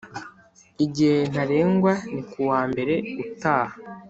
igihe ntarengwa ni kuwa mbere utaha